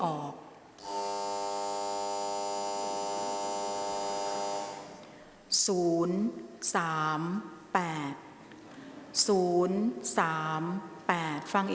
ออกรางวัลเลขหน้า๓ตัวครั้งที่๒